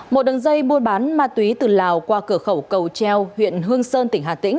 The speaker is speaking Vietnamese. một đường dây buôn bán ma túy từ lào qua cửa khẩu cầu treo huyện hương sơn tỉnh hà tĩnh